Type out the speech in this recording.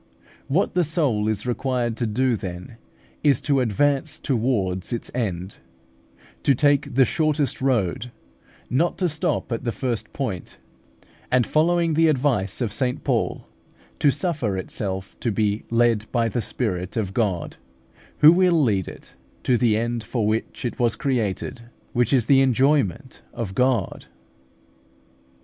What the soul is required to do, then, is to advance towards its end, to take the shortest road, not to stop at the first point, and, following the advice of St Paul, to suffer itself to be "led by the Spirit of God" (Rom. viii. 14), who will lead it to the end for which it was created, which is the enjoyment of God.